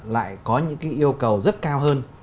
lại có những cái yêu cầu rất cao hơn